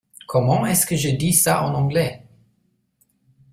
Comment est-ce que je dis ça en anglais ?